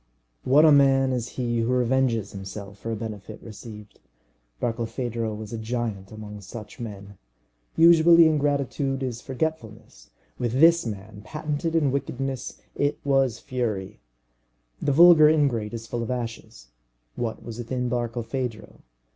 What a man is he who revenges himself for a benefit received! Barkilphedro was a giant among such men. Usually, ingratitude is forgetfulness. With this man, patented in wickedness, it was fury. The vulgar ingrate is full of ashes; what was within Barkilphedro?